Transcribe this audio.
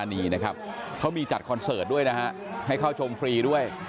นี่นะครับเขามีจัดคอนเสิร์ตด้วยนะฮะให้เข้าชมฟรีด้วย